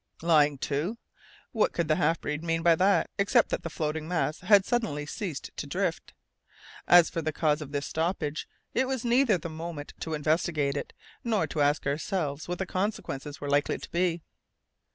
Lying to? What could the half breed mean by that, except that the floating mass had suddenly ceased to drift? As for the cause of this stoppage, it was neither the moment to investigate it, nor to ask ourselves what the consequences were likely to be.